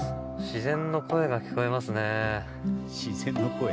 自然の声が聞こえますね。